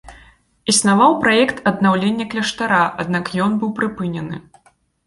Існаваў праект аднаўлення кляштара, аднак ён быў прыпынены.